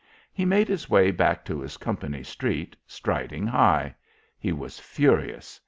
He made his way back to his company street, striding high. He was furious.